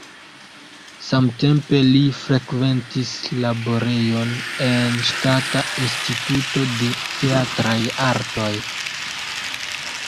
Samtempe li frekventis laborejon en Ŝtata Instituto de Teatraj Artoj.